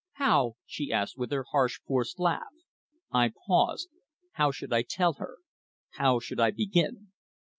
"How?" she asked, with her harsh, forced laugh. I paused. How should I tell her? How should I begin?